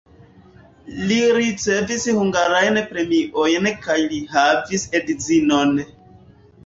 Li ricevis hungarajn premiojn kaj li havis edzinon.